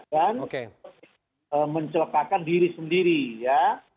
dan mencelakakan diri sendiri ya